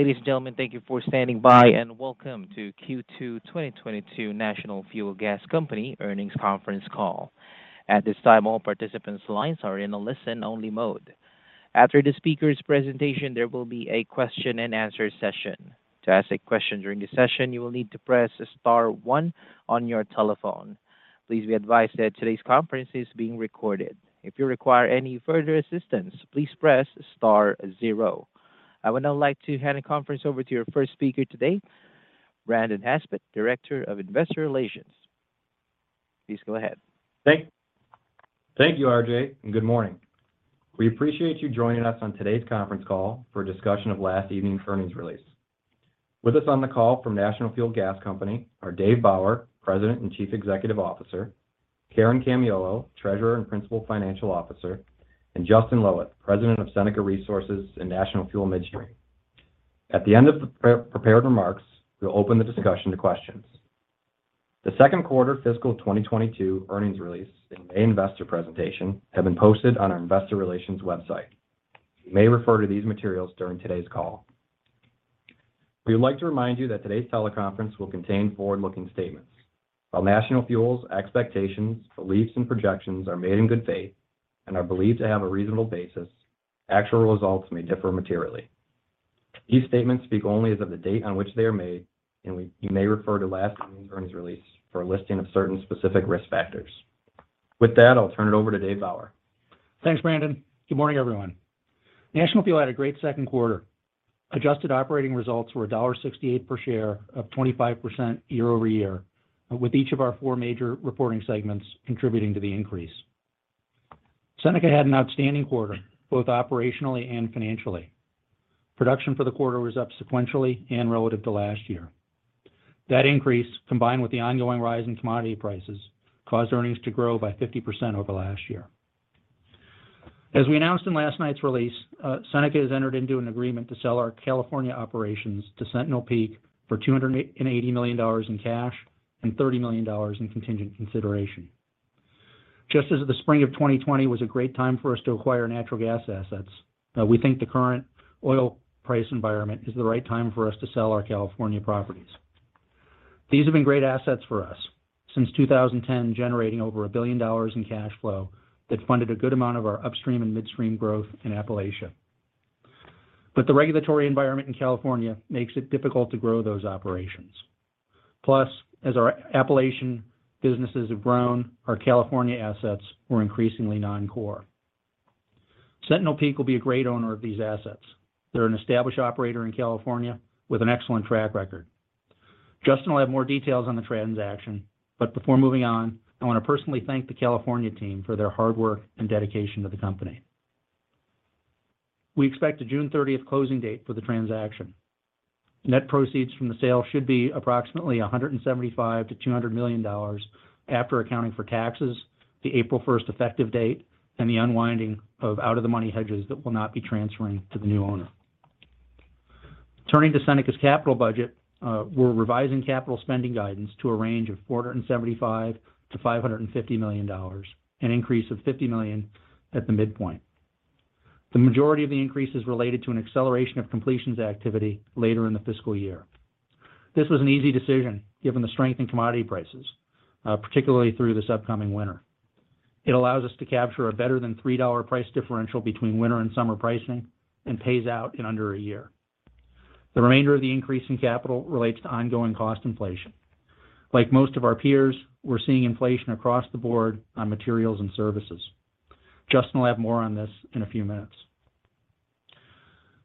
Ladies and gentlemen, thank you for standing by, and welcome to Q2 2022 National Fuel Gas Company earnings conference call. At this time, all participants' lines are in a listen-only mode. After the speaker's presentation, there will be a question-and-answer session. To ask a question during the session, you will need to press star one on your telephone. Please be advised that today's conference is being recorded. If you require any further assistance, please press star zero. I would now like to hand the conference over to your first speaker today, Brandon Haspett, Director of Investor Relations. Please go ahead. Thank you, RJ, and good morning. We appreciate you joining us on today's conference call for a discussion of last evening's earnings release. With us on the call from National Fuel Gas Company are Dave Bauer, President and Chief Executive Officer, Karen Camiolo, Treasurer and Principal Financial Officer, and Justin Loweth, President of Seneca Resources and National Fuel Midstream. At the end of the pre-prepared remarks, we'll open the discussion to questions. The second quarter fiscal 2022 earnings release and May investor presentation have been posted on our investor relations website. You may refer to these materials during today's call. We would like to remind you that today's teleconference will contain forward-looking statements. While National Fuel's expectations, beliefs, and projections are made in good faith and are believed to have a reasonable basis, actual results may differ materially. These statements speak only as of the date on which they are made. You may refer to last evening's earnings release for a listing of certain specific risk factors. With that, I'll turn it over to Dave Bauer. Thanks, Brandon. Good morning, everyone. National Fuel had a great second quarter. Adjusted operating results were $1.68 per share up 25% year-over-year, with each of our four major reporting segments contributing to the increase. Seneca had an outstanding quarter, both operationally and financially. Production for the quarter was up sequentially and relative to last year. That increase, combined with the ongoing rise in commodity prices, caused earnings to grow by 50% over last year. As we announced in last night's release, Seneca has entered into an agreement to sell our California operations to Sentinel Peak for $280 million in cash and $30 million in contingent consideration. Just as the spring of 2020 was a great time for us to acquire natural gas assets, we think the current oil price environment is the right time for us to sell our California properties. These have been great assets for us since 2010, generating over $1 billion in cash flow that funded a good amount of our upstream and midstream growth in Appalachia. The regulatory environment in California makes it difficult to grow those operations. Plus, as our Appalachian businesses have grown, our California assets were increasingly non-core. Sentinel Peak will be a great owner of these assets. They're an established operator in California with an excellent track record. Justin will have more details on the transaction, but before moving on, I want to personally thank the California team for their hard work and dedication to the company. We expect a June 30th closing date for the transaction. Net proceeds from the sale should be approximately $175 million-$200 million after accounting for taxes, the April 1st effective date, and the unwinding of out-of-the-money hedges that will not be transferring to the new owner. Turning to Seneca's capital budget, we're revising capital spending guidance to a range of $475 million-$550 million, an increase of $50 million at the midpoint. The majority of the increase is related to an acceleration of completions activity later in the fiscal year. This was an easy decision given the strength in commodity prices, particularly through this upcoming winter. It allows us to capture a better than $3 price differential between winter and summer pricing and pays out in under a year. The remainder of the increase in capital relates to ongoing cost inflation. Like most of our peers, we're seeing inflation across the board on materials and services. Justin will have more on this in a few minutes.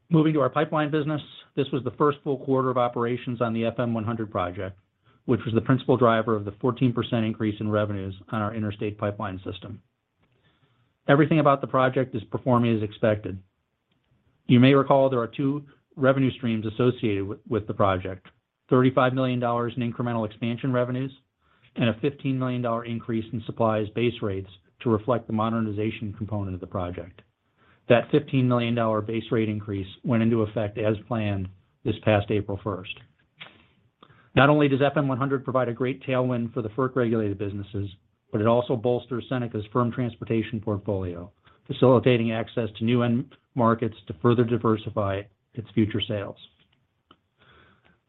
Moving to our pipeline business, this was the first full quarter of operations on the FM100 Project, which was the principal driver of the 14% increase in revenues on our interstate pipeline system. Everything about the project is performing as expected. You may recall there are two revenue streams associated with the project, $35 million in incremental expansion revenues and a $15 million increase in supply base rates to reflect the modernization component of the project. That $15 million base rate increase went into effect as planned this past April 1st. Not only does FM100 provide a great tailwind for the FERC-regulated businesses, but it also bolsters Seneca's firm transportation portfolio, facilitating access to new end markets to further diversify its future sales.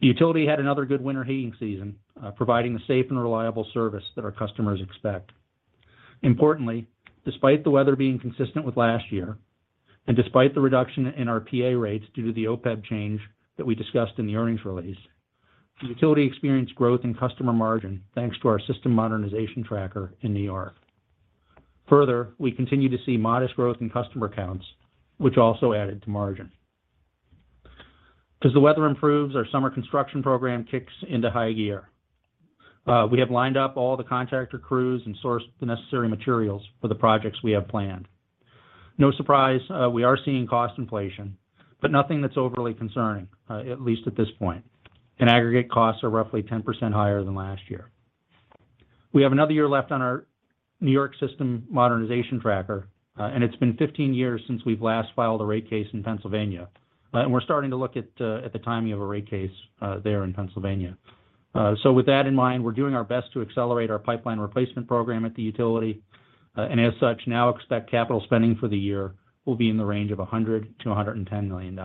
The utility had another good winter heating season, providing the safe and reliable service that our customers expect. Importantly, despite the weather being consistent with last year, and despite the reduction in our PA rates due to the OPEB change that we discussed in the earnings release, the utility experienced growth in customer margin thanks to our system modernization tracker in New York. Further, we continue to see modest growth in customer counts, which also added to margin. As the weather improves, our summer construction program kicks into high gear. We have lined up all the contractor crews and sourced the necessary materials for the projects we have planned. No surprise, we are seeing cost inflation, but nothing that's overly concerning, at least at this point. In aggregate, costs are roughly 10% higher than last year. We have another year left on our New York system modernization tracker, and it's been 15 years since we've last filed a rate case in Pennsylvania, and we're starting to look at the timing of a rate case there in Pennsylvania. With that in mind, we're doing our best to accelerate our pipeline replacement program at the utility, and as such, now expect capital spending for the year will be in the range of $100 million-$110 million.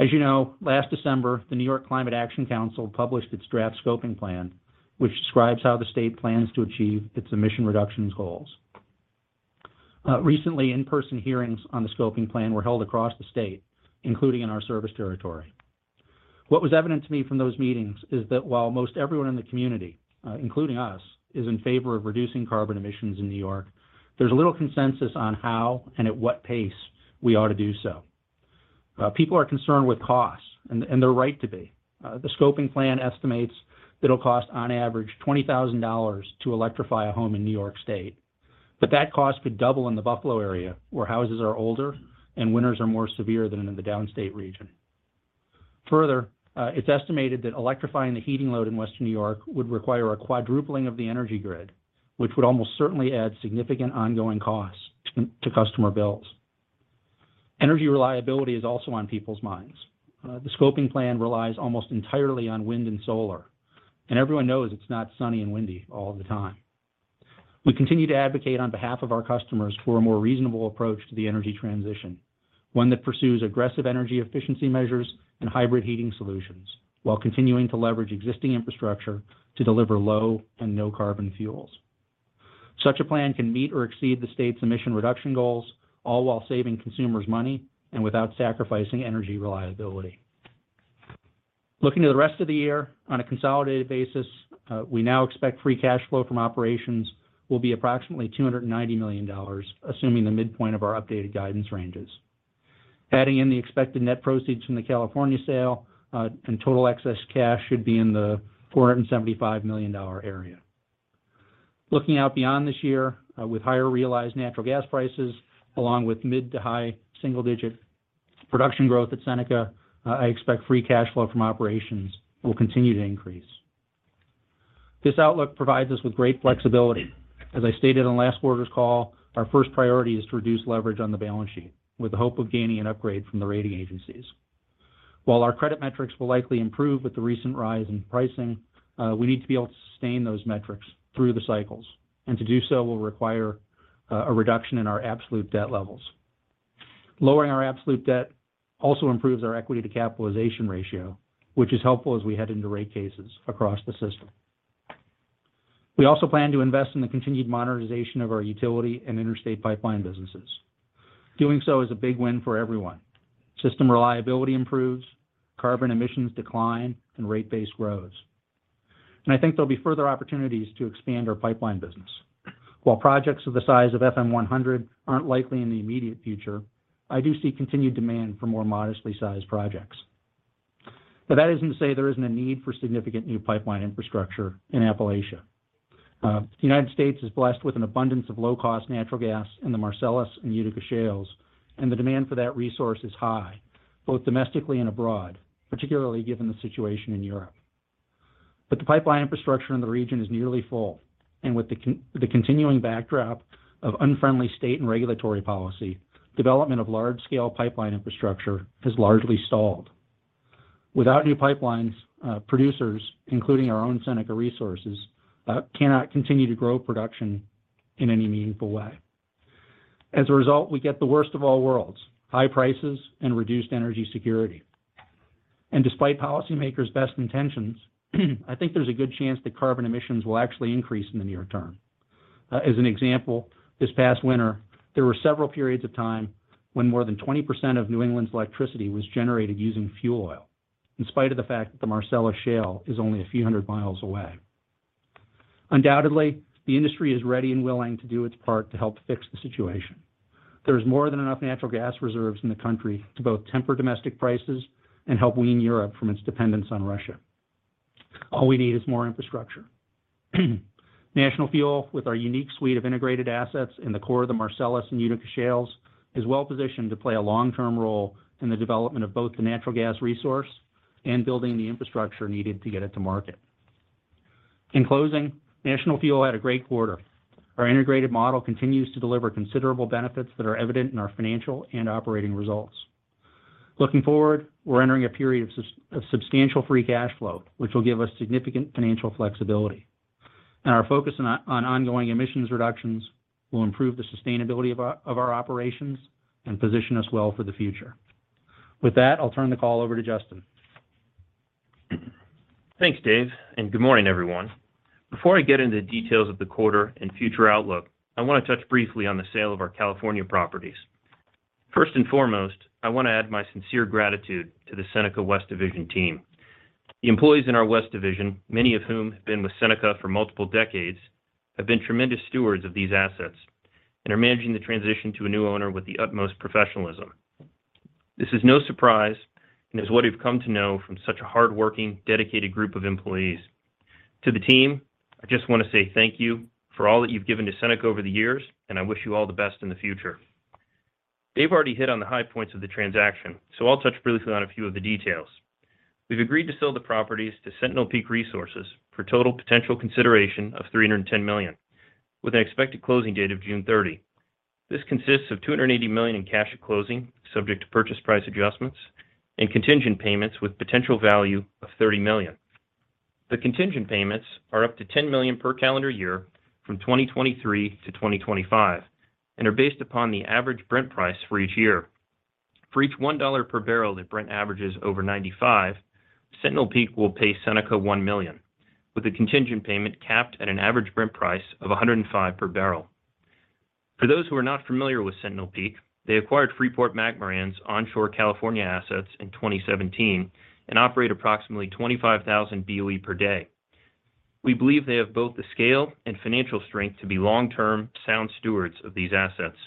As you know, last December, the New York State Climate Action Council published its draft scoping plan, which describes how the state plans to achieve its emission reductions goals. Recently, in-person hearings on the scoping plan were held across the state, including in our service territory. What was evident to me from those meetings is that while most everyone in the community, including us, is in favor of reducing carbon emissions in New York, there's little consensus on how and at what pace we ought to do so. People are concerned with costs and they're right to be. The scoping plan estimates it'll cost on average $20,000 to electrify a home in New York State, but that cost could double in the Buffalo area, where houses are older and winters are more severe than in the downstate region. Further, it's estimated that electrifying the heating load in Western New York would require a quadrupling of the energy grid, which would almost certainly add significant ongoing costs to customer bills. Energy reliability is also on people's minds. The scoping plan relies almost entirely on wind and solar, and everyone knows it's not sunny and windy all the time. We continue to advocate on behalf of our customers for a more reasonable approach to the energy transition, one that pursues aggressive energy efficiency measures and hybrid heating solutions while continuing to leverage existing infrastructure to deliver low and no carbon fuels. Such a plan can meet or exceed the state's emission reduction goals, all while saving consumers money and without sacrificing energy reliability. Looking to the rest of the year, on a consolidated basis, we now expect free cash flow from operations will be approximately $290 million, assuming the midpoint of our updated guidance ranges. Adding in the expected net proceeds from the California sale, and total excess cash should be in the $475 million area. Looking out beyond this year, with higher realized natural gas prices, along with mid- to high single-digit production growth at Seneca, I expect free cash flow from operations will continue to increase. This outlook provides us with great flexibility. As I stated on last quarter's call, our first priority is to reduce leverage on the balance sheet with the hope of gaining an upgrade from the rating agencies. While our credit metrics will likely improve with the recent rise in pricing, we need to be able to sustain those metrics through the cycles, and to do so will require a reduction in our absolute debt levels. Lowering our absolute debt also improves our equity to capitalization ratio, which is helpful as we head into rate cases across the system. We also plan to invest in the continued modernization of our utility and interstate pipeline businesses. Doing so is a big win for everyone. System reliability improves, carbon emissions decline, and rate base grows. I think there'll be further opportunities to expand our pipeline business. While projects of the size of FM100 aren't likely in the immediate future, I do see continued demand for more modestly sized projects. That isn't to say there isn't a need for significant new pipeline infrastructure in Appalachia. The United States is blessed with an abundance of low-cost natural gas in the Marcellus and Utica Shales, and the demand for that resource is high, both domestically and abroad, particularly given the situation in Europe. The pipeline infrastructure in the region is nearly full, and with the continuing backdrop of unfriendly state and regulatory policy, development of large-scale pipeline infrastructure has largely stalled. Without new pipelines, producers, including our own Seneca Resources, cannot continue to grow production in any meaningful way. As a result, we get the worst of all worlds, high prices and reduced energy security. Despite policymakers' best intentions, I think there's a good chance that carbon emissions will actually increase in the near term. As an example, this past winter, there were several periods of time when more than 20% of New England's electricity was generated using fuel oil, in spite of the fact that the Marcellus Shale is only a few hundred miles away. Undoubtedly, the industry is ready and willing to do its part to help fix the situation. There's more than enough natural gas reserves in the country to both temper domestic prices and help wean Europe from its dependence on Russia. All we need is more infrastructure. National Fuel, with our unique suite of integrated assets in the core of the Marcellus and Utica Shales, is well-positioned to play a long-term role in the development of both the natural gas resource and building the infrastructure needed to get it to market. In closing, National Fuel had a great quarter. Our integrated model continues to deliver considerable benefits that are evident in our financial and operating results. Looking forward, we're entering a period of substantial free cash flow, which will give us significant financial flexibility. Our focus on ongoing emissions reductions will improve the sustainability of our operations and position us well for the future. With that, I'll turn the call over to Justin. Thanks, Dave, and good morning, everyone. Before I get into the details of the quarter and future outlook, I want to touch briefly on the sale of our California properties. First and foremost, I want to add my sincere gratitude to the Seneca West Division team. The employees in our West Division, many of whom have been with Seneca for multiple decades, have been tremendous stewards of these assets and are managing the transition to a new owner with the utmost professionalism. This is no surprise, and is what we've come to know from such a hardworking, dedicated group of employees. To the team, I just want to say thank you for all that you've given to Seneca over the years, and I wish you all the best in the future. Dave already hit on the high points of the transaction, so I'll touch briefly on a few of the details. We've agreed to sell the properties to Sentinel Peak Resources for total potential consideration of $310 million, with an expected closing date of June 30. This consists of $280 million in cash at closing, subject to purchase price adjustments and contingent payments with potential value of $30 million. The contingent payments are up to $10 million per calendar year from 2023-2025, and are based upon the average Brent price for each year. For each $1 per barrel that Brent averages over $95, Sentinel Peak will pay Seneca $1 million, with a contingent payment capped at an average Brent price of $105 per barrel. For those who are not familiar with Sentinel Peak, they acquired Freeport-McMoRan’s onshore California assets in 2017 and operate approximately 25,000 BOE per day. We believe they have both the scale and financial strength to be long-term sound stewards of these assets.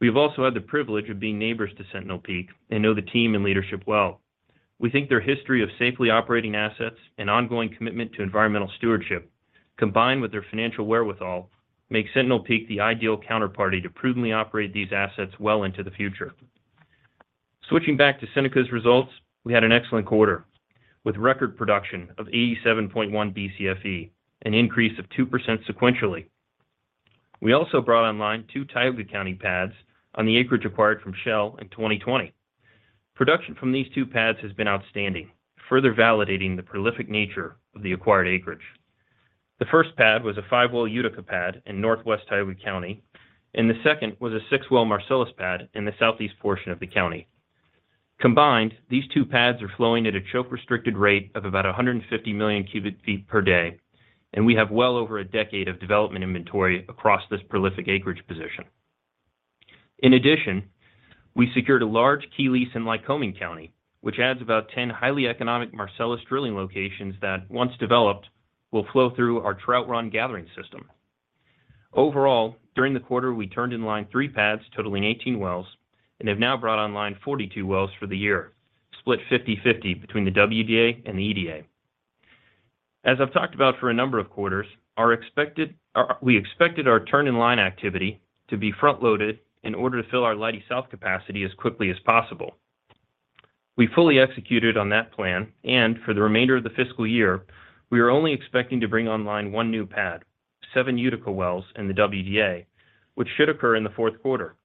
We have also had the privilege of being neighbors to Sentinel Peak and know the team and leadership well. We think their history of safely operating assets and ongoing commitment to environmental stewardship, combined with their financial wherewithal, make Sentinel Peak the ideal counterparty to prudently operate these assets well into the future. Switching back to Seneca’s results, we had an excellent quarter with record production of 87.1 BCFE, an increase of 2% sequentially. We also brought online two Tioga County pads on the acreage acquired from Shell in 2020. Production from these two pads has been outstanding, further validating the prolific nature of the acquired acreage. The first pad was a five-well Utica pad in northwest Tioga County, and the second was a six-well Marcellus pad in the southeast portion of the county. Combined, these two pads are flowing at a choke-restricted rate of about 150 million cu ft per day, and we have well over a decade of development inventory across this prolific acreage position. In addition, we secured a large key lease in Lycoming County, which adds about 10 highly economic Marcellus drilling locations that, once developed, will flow through our Trout Run Gathering System. Overall, during the quarter, we turned in line three pads totaling 18 wells and have now brought online 42 wells for the year, split 50-50 between the WDA and the EDA. As I've talked about for a number of quarters, we expected our turn in line activity to be front-loaded in order to fill our Leidy South capacity as quickly as possible. We fully executed on that plan, and for the remainder of the fiscal year, we are only expecting to bring online one new pad, seven Utica wells in the WDA, which should occur in the fourth quarter.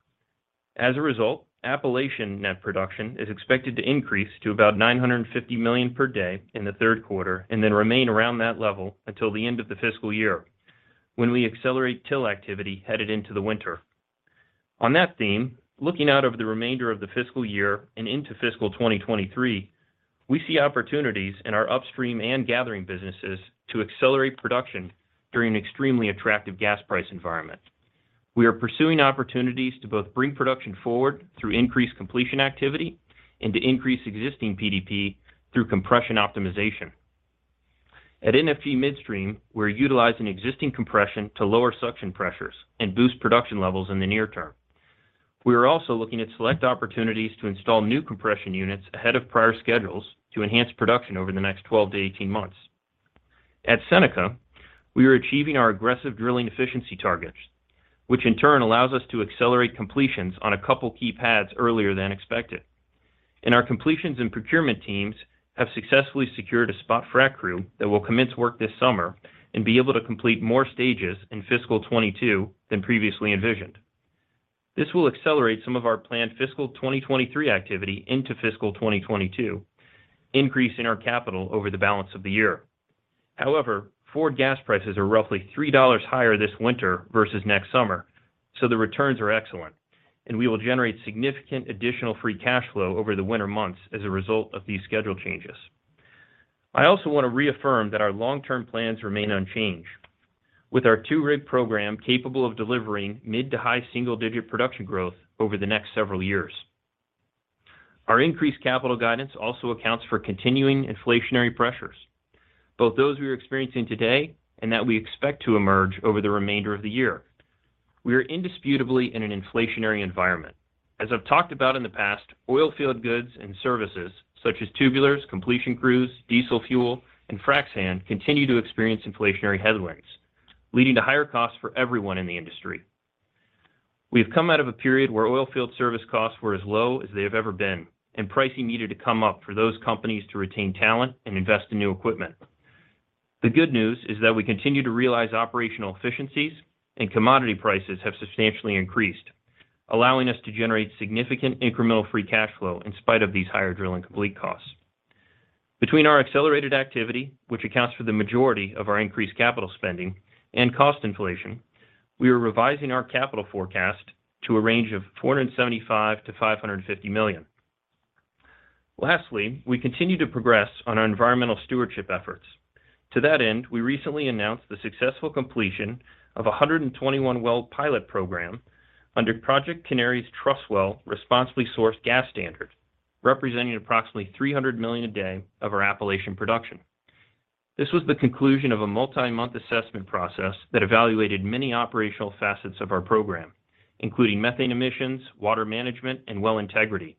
As a result, Appalachian net production is expected to increase to about 950 million per day in the third quarter and then remain around that level until the end of the fiscal year when we accelerate drill activity headed into the winter. On that theme, looking out over the remainder of the fiscal year and into fiscal 2023, we see opportunities in our upstream and gathering businesses to accelerate production during an extremely attractive gas price environment. We are pursuing opportunities to both bring production forward through increased completion activity and to increase existing PDP through compression optimization. At NFG Midstream, we're utilizing existing compression to lower suction pressures and boost production levels in the near term. We are also looking at select opportunities to install new compression units ahead of prior schedules to enhance production over the next 12-18 months. At Seneca, we are achieving our aggressive drilling efficiency targets, which in turn allows us to accelerate completions on a couple of key pads earlier than expected. Our completions and procurement teams have successfully secured a spot frac crew that will commence work this summer and be able to complete more stages in fiscal 2022 than previously envisioned. This will accelerate some of our planned fiscal 2023 activity into fiscal 2022, increasing our capital over the balance of the year. However, forward gas prices are roughly $3 higher this winter versus next summer, so the returns are excellent, and we will generate significant additional free cash flow over the winter months as a result of these schedule changes. I also want to reaffirm that our long-term plans remain unchanged, with our two-rig program capable of delivering mid to high single-digit production growth over the next several years. Our increased capital guidance also accounts for continuing inflationary pressures, both those we are experiencing today and that we expect to emerge over the remainder of the year. We are indisputably in an inflationary environment. As I've talked about in the past, oilfield goods and services such as tubulars, completion crews, diesel fuel, and frac sand continue to experience inflationary headwinds, leading to higher costs for everyone in the industry. We have come out of a period where oilfield service costs were as low as they have ever been, and pricing needed to come up for those companies to retain talent and invest in new equipment. The good news is that we continue to realize operational efficiencies and commodity prices have substantially increased, allowing us to generate significant incremental free cash flow in spite of these higher drill and complete costs. Between our accelerated activity, which accounts for the majority of our increased capital spending and cost inflation, we are revising our capital forecast to a range of $475 million-$550 million. Lastly, we continue to progress on our environmental stewardship efforts. To that end, we recently announced the successful completion of a 121-well pilot program under Project Canary's TrustWell Responsibly Sourced Gas Standard, representing approximately 300 million a day of our Appalachian production. This was the conclusion of a multi-month assessment process that evaluated many operational facets of our program, including methane emissions, water management, and well integrity.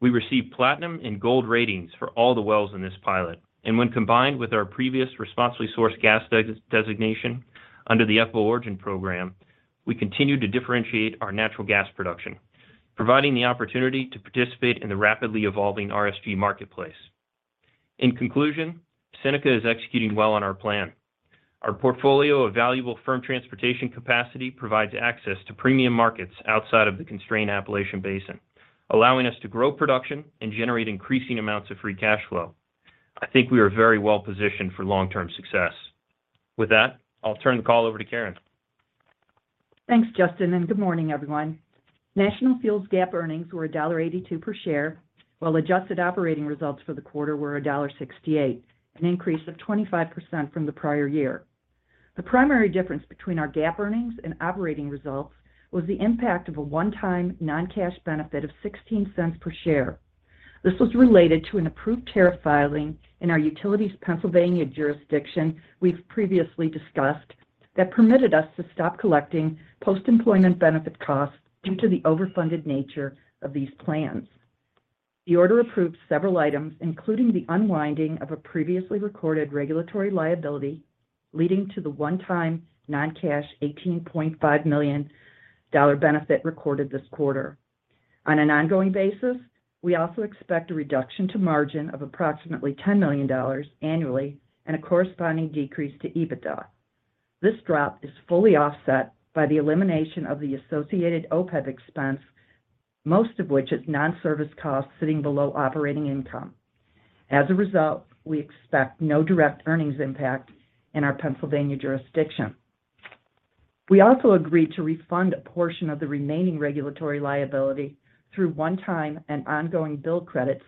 We received platinum and gold ratings for all the wells in this pilot. When combined with our previous responsibly sourced gas designation under the EPA Origin Program, we continue to differentiate our natural gas production, providing the opportunity to participate in the rapidly evolving RSG marketplace. In conclusion, Seneca is executing well on our plan. Our portfolio of valuable firm transportation capacity provides access to premium markets outside of the constrained Appalachian Basin, allowing us to grow production and generate increasing amounts of free cash flow. I think we are very well positioned for long-term success. With that, I'll turn the call over to Karen. Thanks, Justin, and good morning, everyone. National Fuel's GAAP earnings were $1.82 per share, while adjusted operating results for the quarter were $1.68, an increase of 25% from the prior year. The primary difference between our GAAP earnings and operating results was the impact of a one-time non-cash benefit of $0.16 per share. This was related to an approved tariff filing in our utility's Pennsylvania jurisdiction we've previously discussed that permitted us to stop collecting post-employment benefit costs due to the overfunded nature of these plans. The order approved several items, including the unwinding of a previously recorded regulatory liability leading to the one-time non-cash $18.5 million benefit recorded this quarter. On an ongoing basis, we also expect a reduction to margin of approximately $10 million annually and a corresponding decrease to EBITDA. This drop is fully offset by the elimination of the associated OPEB expense, most of which is non-service costs sitting below operating income. As a result, we expect no direct earnings impact in our Pennsylvania jurisdiction. We also agreed to refund a portion of the remaining regulatory liability through one-time and ongoing bill credits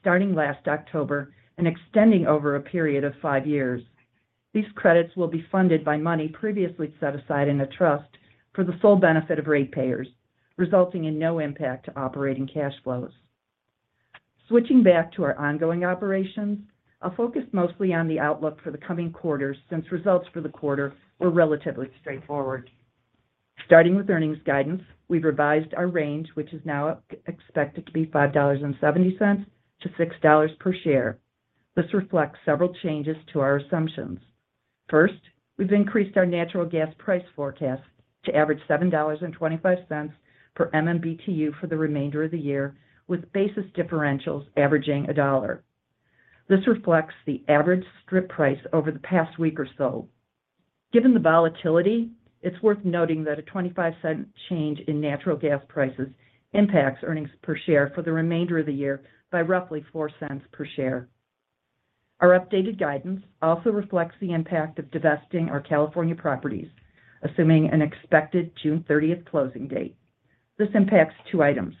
starting last October and extending over a period of 5 years. These credits will be funded by money previously set aside in a trust for the sole benefit of ratepayers, resulting in no impact to operating cash flows. Switching back to our ongoing operations, I'll focus mostly on the outlook for the coming quarters since results for the quarter were relatively straightforward. Starting with earnings guidance, we've revised our range, which is now expected to be $5.70-$6 per share. This reflects several changes to our assumptions. First, we've increased our natural gas price forecast to average $7.25 per MMBTU for the remainder of the year, with basis differentials averaging $1. This reflects the average strip price over the past week or so. Given the volatility, it's worth noting that a $0.25 change in natural gas prices impacts earnings per share for the remainder of the year by roughly $0.04 per share. Our updated guidance also reflects the impact of divesting our California properties, assuming an expected June 30th closing date. This impacts two items.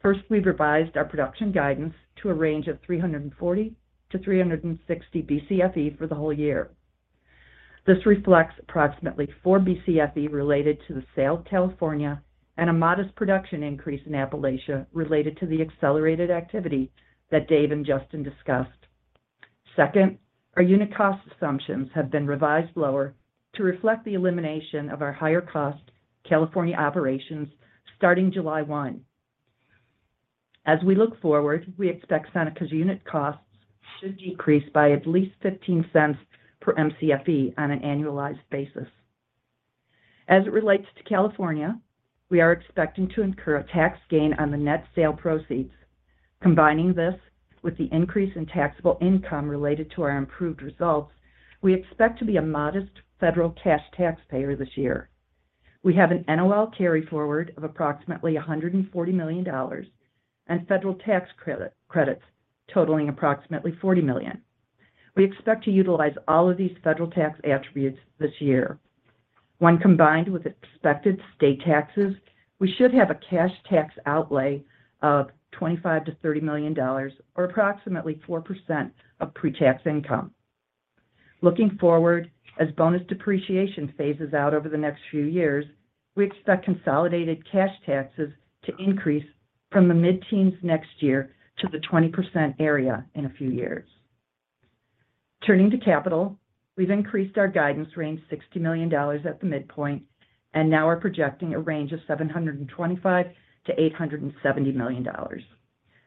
First, we've revised our production guidance to a range of 340-360 BCFE for the whole year. This reflects approximately 4 BCFE related to the sale of California and a modest production increase in Appalachia related to the accelerated activity that Dave and Justin discussed. Second, our unit cost assumptions have been revised lower to reflect the elimination of our higher cost California operations starting July 1. As we look forward, we expect Seneca's unit costs to decrease by at least $0.15 per MCFE on an annualized basis. As it relates to California, we are expecting to incur a tax gain on the net sale proceeds. Combining this with the increase in taxable income related to our improved results, we expect to be a modest federal cash taxpayer this year. We have an NOL carry forward of approximately $140 million and federal tax credits totaling approximately $40 million. We expect to utilize all of these federal tax attributes this year. When combined with expected state taxes, we should have a cash tax outlay of $25 million-$30 million or approximately 4% of pre-tax income. Looking forward, as bonus depreciation phases out over the next few years, we expect consolidated cash taxes to increase from the mid-teens next year to the 20% area in a few years. Turning to capital, we've increased our guidance range $60 million at the midpoint and now are projecting a range of $725 million-$870 million.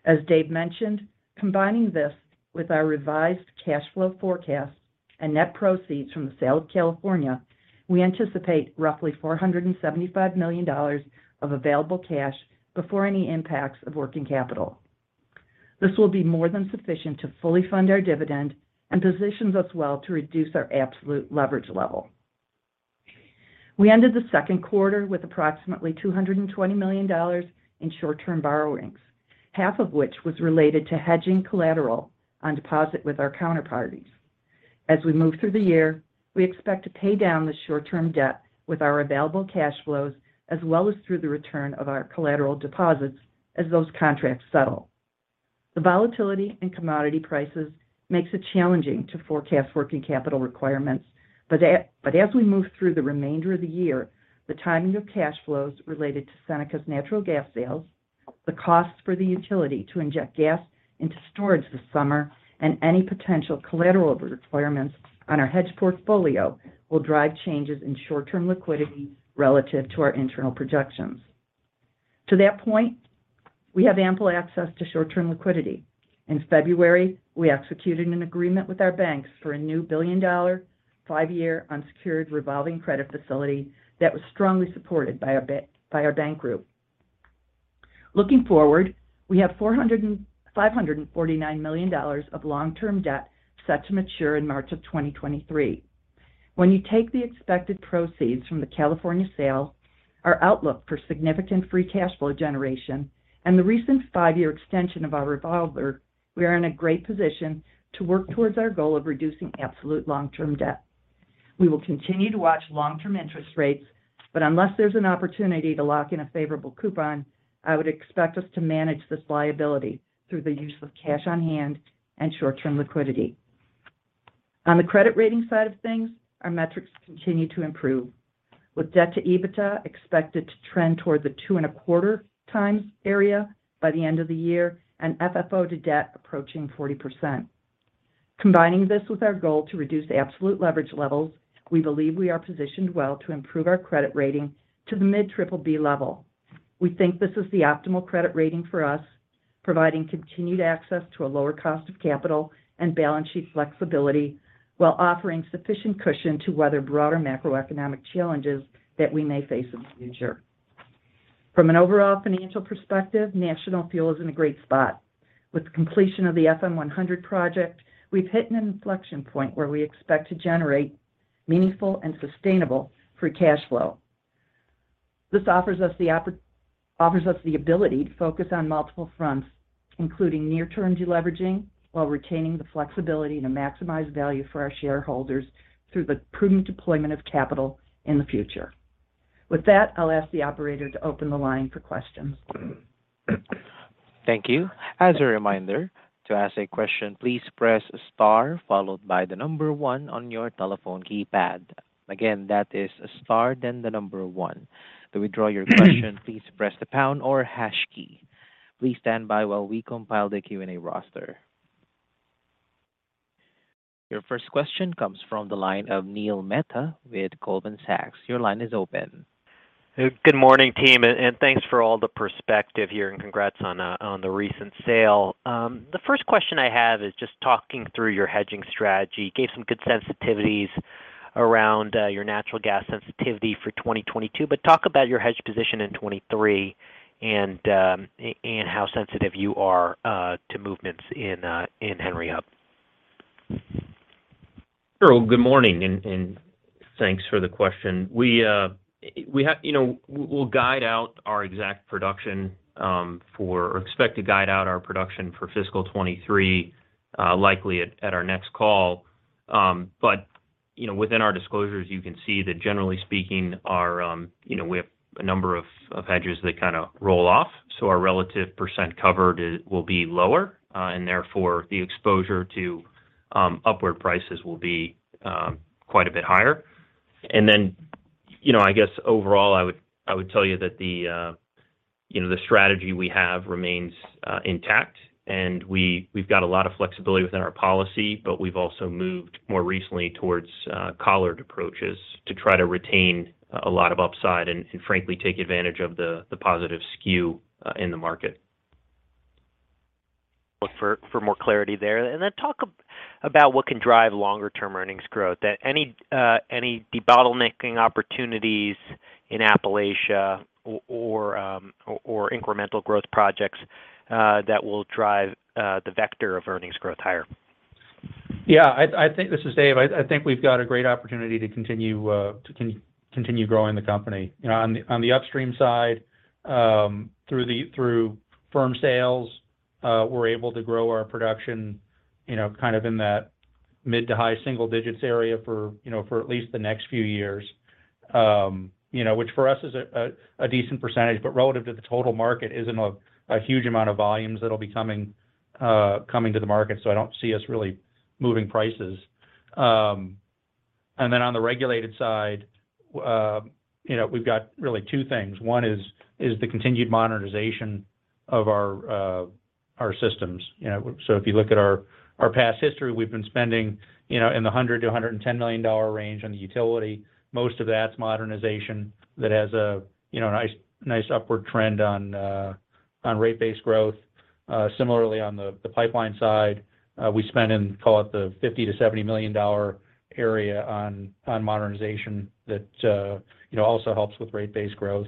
As Dave mentioned, combining this with our revised cash flow forecast and net proceeds from the sale of California, we anticipate roughly $475 million of available cash before any impacts of working capital. This will be more than sufficient to fully fund our dividend and positions us well to reduce our absolute leverage level. We ended the second quarter with approximately $220 million in short-term borrowings, half of which was related to hedging collateral on deposit with our counterparties. As we move through the year, we expect to pay down the short-term debt with our available cash flows as well as through the return of our collateral deposits as those contracts settle. The volatility in commodity prices makes it challenging to forecast working capital requirements, but as we move through the remainder of the year, the timing of cash flows related to Seneca's natural gas sales, the costs for the utility to inject gas into storage this summer, and any potential collateral requirements on our hedge portfolio will drive changes in short-term liquidity relative to our internal projections. To that point, we have ample access to short-term liquidity. In February, we executed an agreement with our banks for a new $1 billion, 5-year unsecured revolving credit facility that was strongly supported by our bank group. Looking forward, we have $549 million of long-term debt set to mature in March of 2023. When you take the expected proceeds from the California sale, our outlook for significant free cash flow generation and the recent 5-year extension of our revolver, we are in a great position to work towards our goal of reducing absolute long-term debt. We will continue to watch long-term interest rates, but unless there's an opportunity to lock in a favorable coupon, I would expect us to manage this liability through the use of cash on hand and short-term liquidity. On the credit rating side of things, our metrics continue to improve, with debt to EBITDA expected to trend towards the 2.25x area by the end of the year and FFO to debt approaching 40%. Combining this with our goal to reduce absolute leverage levels, we believe we are positioned well to improve our credit rating to the mid triple B level. We think this is the optimal credit rating for us, providing continued access to a lower cost of capital and balance sheet flexibility, while offering sufficient cushion to weather broader macroeconomic challenges that we may face in the future. From an overall financial perspective, National Fuel is in a great spot. With the completion of the FM100 project, we've hit an inflection point where we expect to generate meaningful and sustainable free cash flow. This offers us the ability to focus on multiple fronts, including near-term de-leveraging, while retaining the flexibility to maximize value for our shareholders through the prudent deployment of capital in the future. With that, I'll ask the operator to open the line for questions. Thank you. As a reminder, to ask a question, please press star followed by the number one on your telephone keypad. Again, that is star then the number one. To withdraw your question, please press the pound or hash key. Please stand by while we compile the Q&A roster. Your first question comes from the line of Neil Mehta with Goldman Sachs. Your line is open. Good morning, team, and thanks for all the perspective here, and congrats on the recent sale. The first question I have is just talking through your hedging strategy. Gave some good sensitivities around your natural gas sensitivity for 2022. Talk about your hedge position in 2023 and how sensitive you are to movements in Henry Hub. Sure. Well, good morning and thanks for the question. You know, we'll guide out our exact production or expect to guide out our production for fiscal 2023, likely at our next call. You know, within our disclosures, you can see that generally speaking, we have a number of hedges that kind of roll off. Our relative percent covered will be lower, and therefore the exposure to upward prices will be quite a bit higher. You know, I guess overall I would tell you that the strategy we have remains intact and we've got a lot of flexibility within our policy, but we've also moved more recently towards collared approaches to try to retain a lot of upside and frankly take advantage of the positive skew in the market. Look for more clarity there. Then talk about what can drive longer term earnings growth. Any debottlenecking opportunities in Appalachia or incremental growth projects that will drive the vector of earnings growth higher? Yeah, I think this is Dave. I think we've got a great opportunity to continue growing the company. You know, on the upstream side, through firm sales, we're able to grow our production, you know, kind of in that mid to high single digits area for at least the next few years. You know, which for us is a decent percentage, but relative to the total market isn't a huge amount of volumes that'll be coming to the market. I don't see us really moving prices. On the regulated side, you know, we've got really two things. One is the continued modernization of our systems. You know, if you look at our past history, we've been spending, you know, in the $100 million-$110 million range on the utility. Most of that's modernization that has a, you know, nice upward trend on rate-based growth. Similarly on the pipeline side, we spend in, call it, the $50 million-$70 million area on modernization that, you know, also helps with rate-based growth.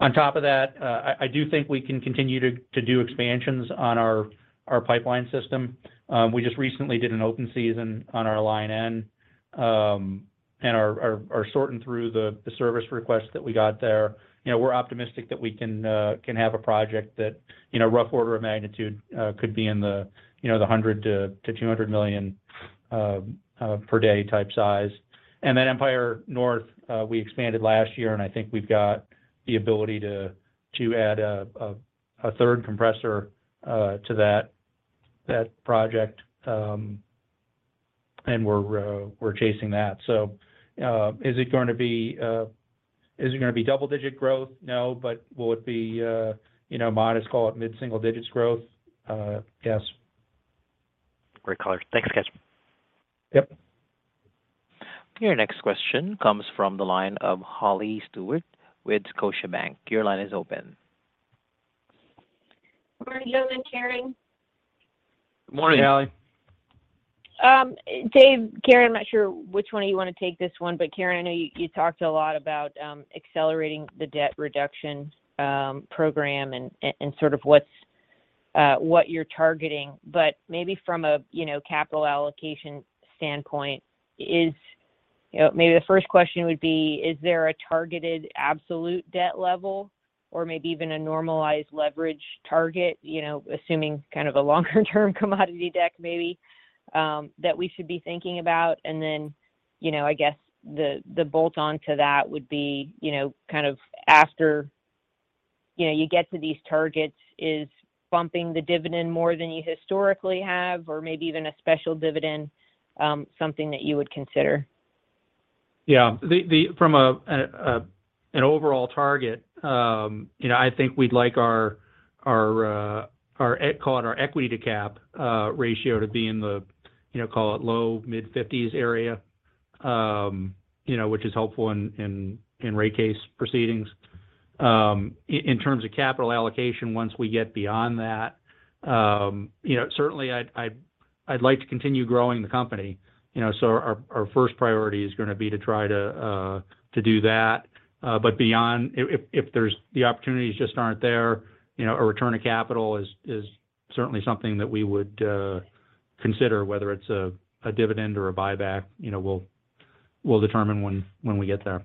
On top of that, I do think we can continue to do expansions on our pipeline system. We just recently did an open season on our Line N, and are sorting through the service requests that we got there. You know, we're optimistic that we can have a project that, you know, rough order of magnitude, could be in the, you know, the 100-200 million per day type size. Empire North, we expanded last year, and I think we've got the ability to add a third compressor to that project. We're chasing that. Is it gonna be double digit growth? No. Will it be, you know, modest, call it, mid-single digits growth? Yes. Great color. Thanks, guys. Yep. Your next question comes from the line of Holly Stewart with Scotiabank. Your line is open. Morning, Justin, Dave, Karen. Good morning. Hey, Holly. Dave, Karen, I'm not sure which one of you want to take this one, but Karen, I know you talked a lot about accelerating the debt reduction program and sort of what you're targeting. But maybe from a you know, capital allocation standpoint is you know, maybe the first question would be, is there a targeted absolute debt level or maybe even a normalized leverage target, you know, assuming kind of a longer term commodity deck maybe that we should be thinking about? And then, you know, I guess the bolt on to that would be, you know, kind of after you know, you get to these targets, is bumping the dividend more than you historically have, or maybe even a special dividend, something that you would consider? Yeah. From an overall target, you know, I think we'd like our, call it our equity to cap ratio to be in the, you know, call it low, mid-50s area, which is helpful in rate case proceedings. In terms of capital allocation, once we get beyond that, you know, certainly I'd like to continue growing the company, you know. Our first priority is gonna be to try to do that. But if the opportunities just aren't there, you know, a return of capital is certainly something that we would consider, whether it's a dividend or a buyback. You know, we'll determine when we get there.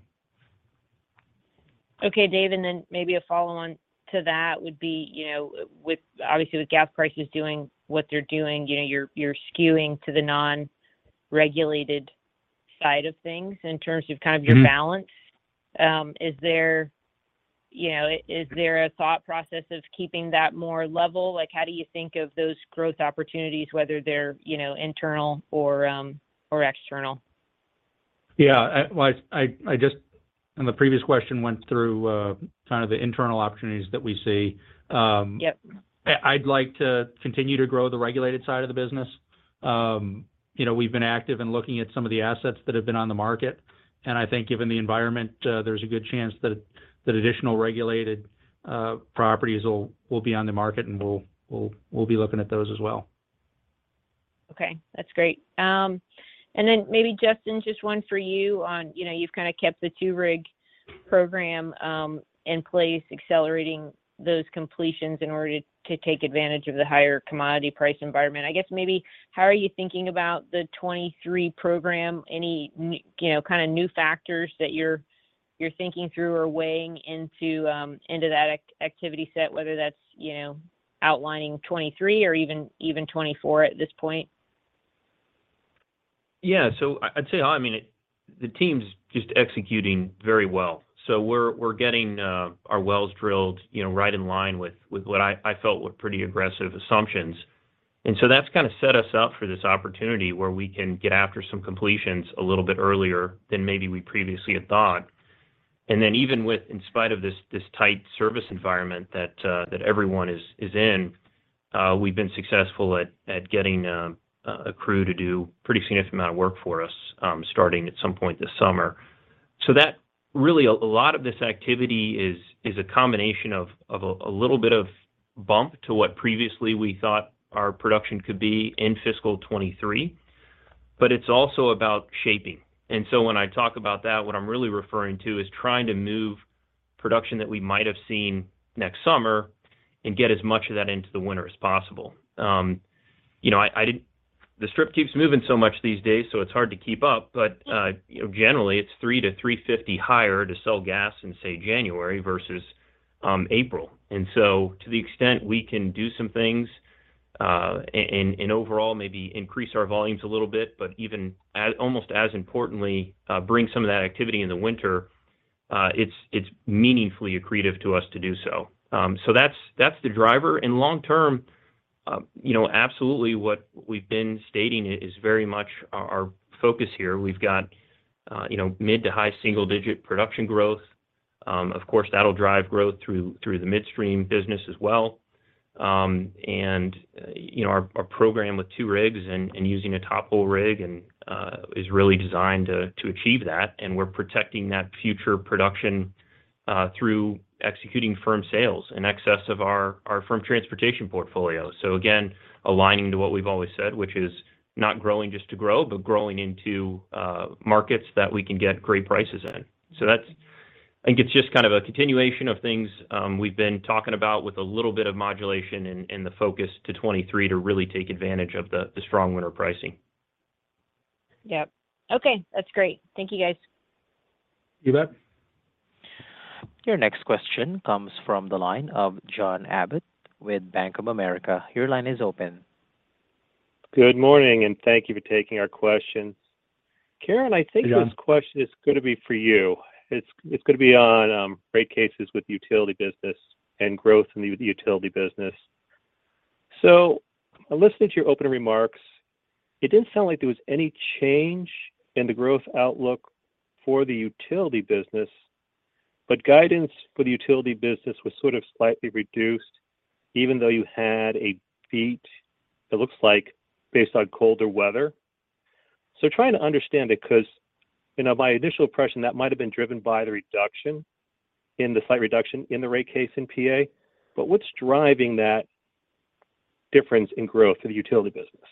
Okay, Dave, then maybe a follow on to that would be, you know, with obviously with gas prices doing what they're doing, you know, you're skewing to the non-regulated side of things in terms of kind of your balance. Is there, you know, is there a thought process of keeping that more level? Like how do you think of those growth opportunities, whether they're, you know, internal or external? Yeah. Well, I just, on the previous question, went through kind of the internal opportunities that we see. Yep I'd like to continue to grow the regulated side of the business. You know, we've been active in looking at some of the assets that have been on the market. I think given the environment, there's a good chance that additional regulated properties will be on the market, and we'll be looking at those as well. Okay, that's great. Maybe Justin, just one for you on, you know, you've kind of kept the two-rig program in place, accelerating those completions in order to take advantage of the higher commodity price environment. I guess maybe how are you thinking about the 2023 program? Any new, you know, kind of new factors that you're thinking through or weighing into that activity set, whether that's, you know, outlining 2023 or even 2024 at this point? Yeah. I'd say, I mean, the team's just executing very well. We're getting our wells drilled, you know, right in line with what I felt were pretty aggressive assumptions. That's kind of set us up for this opportunity where we can get after some completions a little bit earlier than maybe we previously had thought. Even with, in spite of this tight service environment that everyone is in, we've been successful at getting a crew to do pretty significant amount of work for us, starting at some point this summer. That really, a lot of this activity is a combination of a little bit of bump to what previously we thought our production could be in fiscal 2023, but it's also about shaping. When I talk about that, what I'm really referring to is trying to move production that we might have seen next summer and get as much of that into the winter as possible. You know, I didn't. The strip keeps moving so much these days, so it's hard to keep up. You know, generally it's $3-$3.50 higher to sell gas in, say, January versus April. To the extent we can do some things, and overall maybe increase our volumes a little bit, but almost as importantly, bring some of that activity in the winter, it's meaningfully accretive to us to do so. That's the driver. Long term, you know, absolutely what we've been stating is very much our focus here. We've got, you know, mid- to high-single-digit production growth. Of course, that'll drive growth through the midstream business as well. You know, our program with two rigs and using a tophole rig is really designed to achieve that. We're protecting that future production through executing firm sales in excess of our firm transportation portfolio. Again, aligning to what we've always said, which is not growing just to grow, but growing into markets that we can get great prices in. That's, I think, just kind of a continuation of things we've been talking about with a little bit of modulation in the focus to 2023 to really take advantage of the strong winter pricing. Yep. Okay. That's great. Thank you, guys. You bet. Your next question comes from the line of John Abbott with Bank of America. Your line is open. Good morning, and thank you for taking our questions. Karen- Hey, John. I think this question is gonna be for you. It's gonna be on rate cases with utility business and growth in the utility business. I listened to your opening remarks. It didn't sound like there was any change in the growth outlook for the utility business, but guidance for the utility business was sort of slightly reduced, even though you had a beat, it looks like based on colder weather. Trying to understand it, 'cause, you know, my initial impression, that might have been driven by the slight reduction in the rate case in PA. What's driving that difference in growth for the utility business?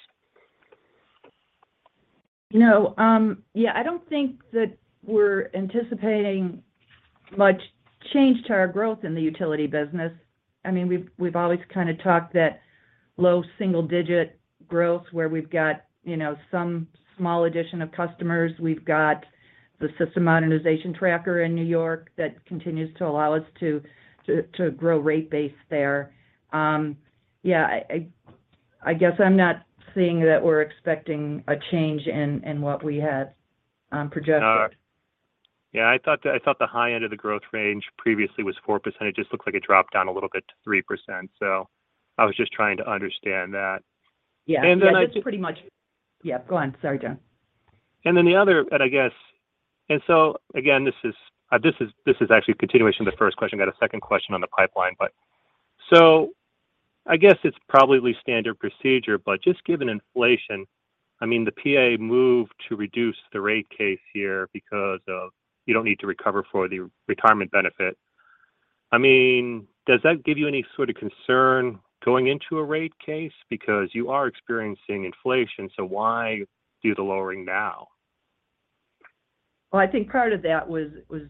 No. Yeah, I don't think that we're anticipating much change to our growth in the utility business. I mean, we've always kind of talked that low single digit growth where we've got, you know, some small addition of customers. We've got the system modernization tracker in New York that continues to allow us to grow rate base there. Yeah, I guess I'm not seeing that we're expecting a change in what we had projected. All right. Yeah, I thought the high end of the growth range previously was 4%. It just looks like it dropped down a little bit to 3%. I was just trying to understand that. Yeah. And then the- That's pretty much. Yeah, go on. Sorry, John. And then the other, that I guess, and so, again, this is actually a continuation of the first question. Got a second question on the pipeline. I guess it's probably standard procedure, but just given inflation, I mean, the PA move to reduce the rate case here because you don't need to recover for the retirement benefit. I mean, does that give you any sort of concern going into a rate case because you are experiencing inflation, so why do the lowering now? I think part of that was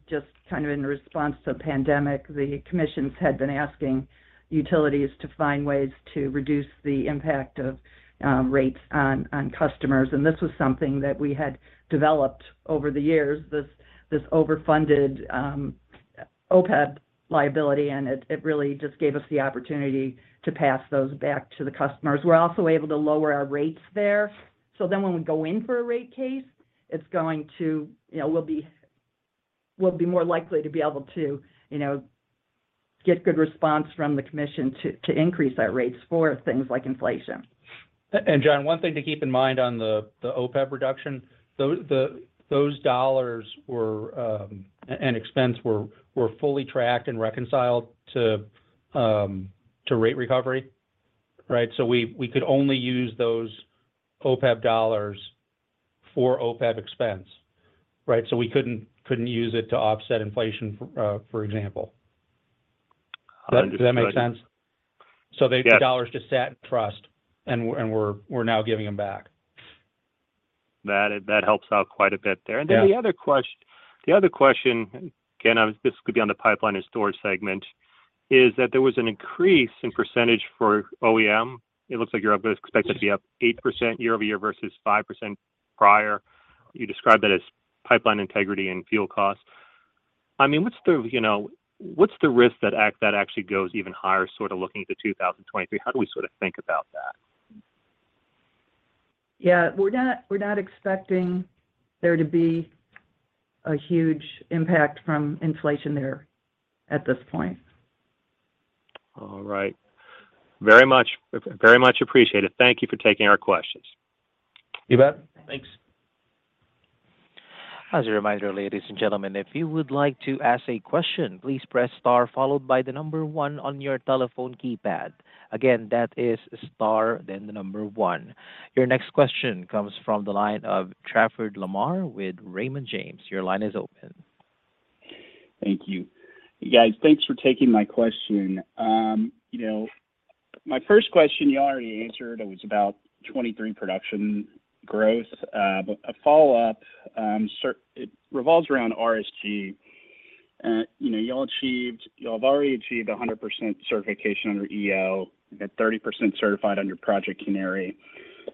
just kind of in response to pandemic. The commissions had been asking utilities to find ways to reduce the impact of rates on customers. This was something that we had developed over the years, this overfunded OPEB liability, and it really just gave us the opportunity to pass those back to the customers. We're also able to lower our rates there. When we go in for a rate case, it's going to, you know, we'll be more likely to be able to, you know, get good response from the commission to increase our rates for things like inflation. John, one thing to keep in mind on the OPEB reduction, those dollars were an expense were fully tracked and reconciled to rate recovery, right? We could only use those OPEB dollars for OPEB expense, right? We couldn't use it to offset inflation for example. Does that make sense? Yes. The dollars just sat in trust, and we're now giving them back. That helps out quite a bit there. Yeah. The other question, again, this could be on the pipeline and storage segment, is that there was an increase in percentage for O&M. It looks like you're expected to be up 8% year-over-year versus 5% prior. You described that as pipeline integrity and fuel costs. I mean, what's the, you know, what's the risk that that actually goes even higher, sort of looking at 2023? How do we sort of think about that? Yeah. We're not expecting there to be a huge impact from inflation there at this point. All right. Very much appreciated. Thank you for taking our questions. You bet. Thanks. As a reminder, ladies and gentlemen, if you would like to ask a question, please press star followed by the number one on your telephone keypad. Again, that is star then the number one. Your next question comes from the line of Trafford Lamar with Raymond James. Your line is open. Thank you. You guys, thanks for taking my question. You know, my first question you already answered. It was about 2023 production growth. A follow-up, it revolves around RSG. You know, y'all have already achieved 100% certification under EO100 at 30% certified under Project Canary.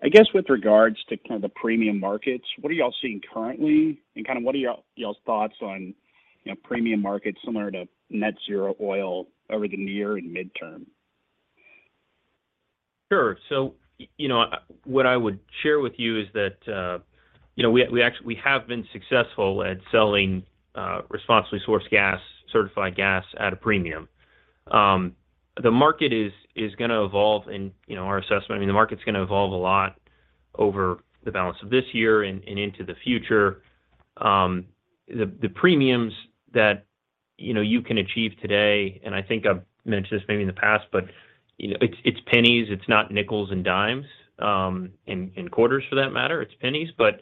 I guess with regards to kind of the premium markets, what are y'all seeing currently? Kind of what are y'all's thoughts on, you know, premium markets similar to net zero oil over the near and midterm? Sure. You know, what I would share with you is that we have been successful at selling responsibly sourced gas, certified gas at a premium. The market is gonna evolve and, you know, our assessment, I mean, the market's gonna evolve a lot over the balance of this year and into the future. The premiums that you can achieve today, and I think I've mentioned this maybe in the past, but, you know, it's pennies. It's not nickels and dimes and quarters for that matter. It's pennies. But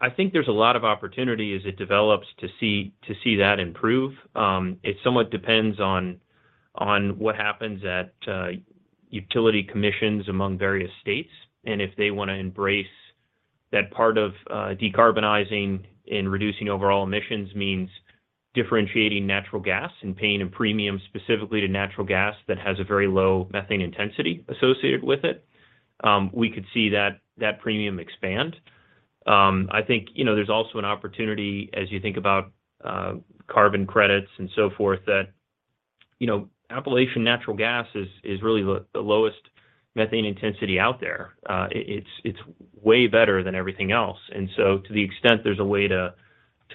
I think there's a lot of opportunity as it develops to see that improve. It somewhat depends on what happens at utility commissions among various states. If they wanna embrace that part of decarbonizing and reducing overall emissions means differentiating natural gas and paying a premium specifically to natural gas that has a very low methane intensity associated with it, we could see that premium expand. I think, you know, there's also an opportunity as you think about carbon credits and so forth that, you know, Appalachian natural gas is really the lowest methane intensity out there. It's way better than everything else. To the extent there's a way to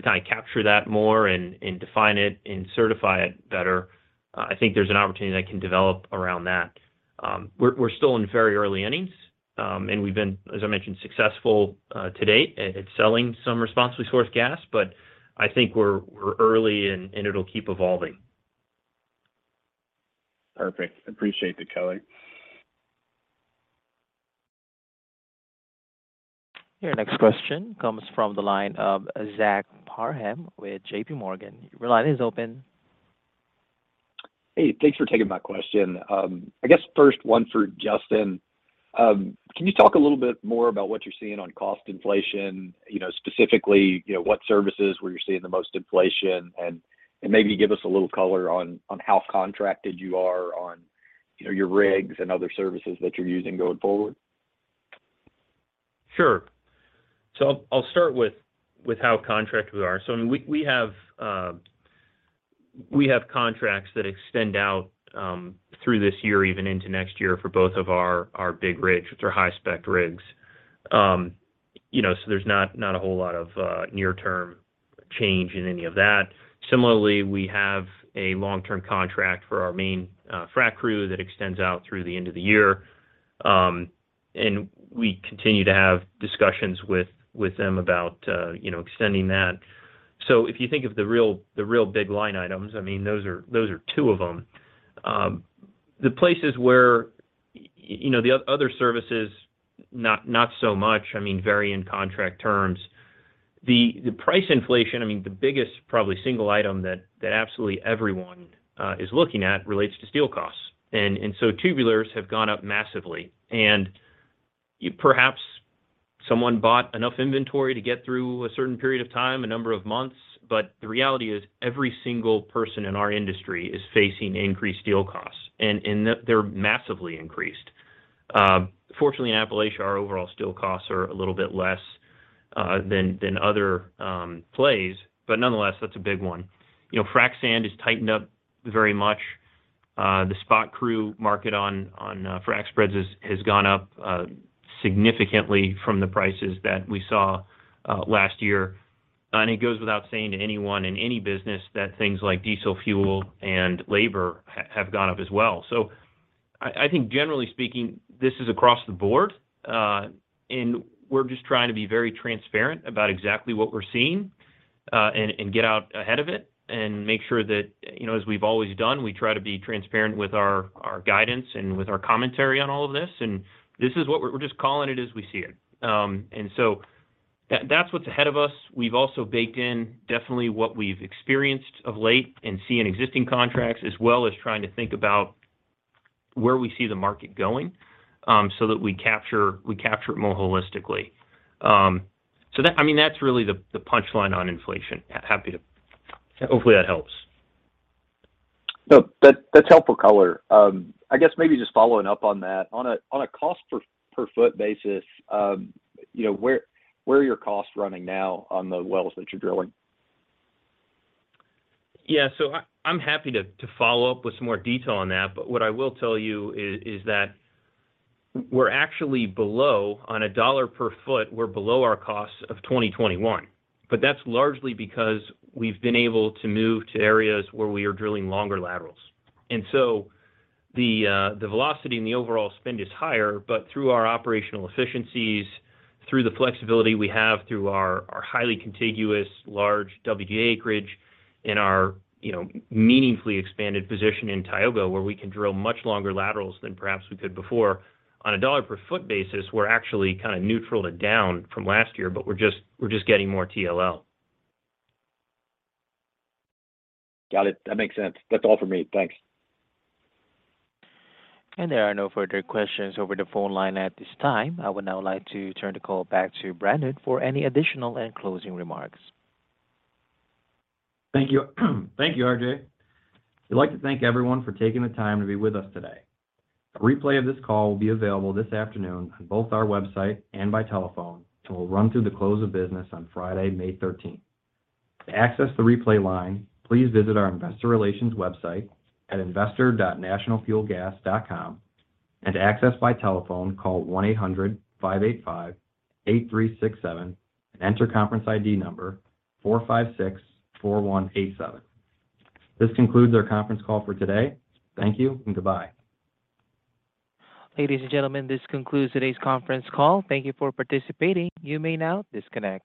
kinda capture that more and define it and certify it better, I think there's an opportunity that can develop around that. We're still in very early innings, and we've been, as I mentioned, successful to date at selling some responsibly sourced gas. I think we're early and it'll keep evolving. Perfect. Appreciate the color. Your next question comes from the line of Zach Parham with JPMorgan. Your line is open. Hey, thanks for taking my question. I guess first one for Justin. Can you talk a little bit more about what you're seeing on cost inflation? You know, specifically, you know, what services where you're seeing the most inflation and maybe give us a little color on how contracted you are on, you know, your rigs and other services that you're using going forward. I'll start with how contracted we are. I mean, we have contracts that extend out through this year, even into next year for both of our big rigs, which are high-spec rigs. You know, there's not a whole lot of near-term change in any of that. Similarly, we have a long-term contract for our main frac crew that extends out through the end of the year. We continue to have discussions with them about you know, extending that. If you think of the real big line items, I mean, those are two of them. The places where you know, the other services, not so much, I mean, vary in contract terms. I mean, the biggest probably single item that absolutely everyone is looking at relates to steel costs. Tubulars have gone up massively. Perhaps someone bought enough inventory to get through a certain period of time, a number of months. The reality is every single person in our industry is facing increased steel costs, and they're massively increased. Fortunately, in Appalachia, our overall steel costs are a little bit less than other plays. Nonetheless, that's a big one. You know, frac sand has tightened up very much. The spot crew market on frac spreads has gone up significantly from the prices that we saw last year. It goes without saying to anyone in any business that things like diesel fuel and labor have gone up as well. I think generally speaking, this is across the board, and we're just trying to be very transparent about exactly what we're seeing, and get out ahead of it and make sure that, you know, as we've always done, we try to be transparent with our guidance and with our commentary on all of this. This is what we're just calling it as we see it. That's what's ahead of us. We've also baked in definitely what we've experienced of late and see in existing contracts, as well as trying to think about where we see the market going, so that we capture it more holistically. I mean, that's really the punchline on inflation. Hopefully, that helps. No, that's helpful color. I guess maybe just following up on that. On a cost per foot basis, you know, where are your costs running now on the wells that you're drilling? I'm happy to follow up with some more detail on that. What I will tell you is that we're actually below. On a dollar per foot, we're below our costs of 2021. That's largely because we've been able to move to areas where we are drilling longer laterals. The velocity and the overall spend is higher, but through our operational efficiencies, through the flexibility we have through our highly contiguous large WDA acreage and our, you know, meaningfully expanded position in Tioga, where we can drill much longer laterals than perhaps we could before. On a dollar per foot basis, we're actually kinda neutral to down from last year, but we're just getting more TLL. Got it. That makes sense. That's all for me. Thanks. There are no further questions over the phone line at this time. I would now like to turn the call back to Brandon for any additional and closing remarks. Thank you. Thank you, RJ. We'd like to thank everyone for taking the time to be with us today. A replay of this call will be available this afternoon on both our website and by telephone, and will run through the close of business on Friday, May 13th. To access the replay line, please visit our investor relations website at investor.nationalfuelgas.com. To access by telephone, call 1-800-585-8367 and enter conference ID number 4564187. This concludes our conference call for today. Thank you and goodbye. Ladies and gentlemen, this concludes today's conference call. Thank you for participating. You may now disconnect.